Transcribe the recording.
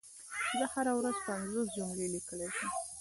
زه هره ورځ پنځوس جملي ليکم شوي